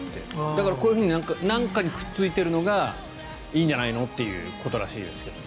だから、こういうふうに何かにくっついているのがいいんじゃないのっていうことらしいですけど。